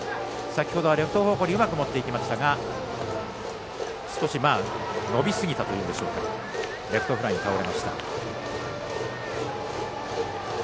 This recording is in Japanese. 先ほどはレフト方向にうまく持っていきましたが少し伸びすぎたというんでしょうかレフトフライに倒れました。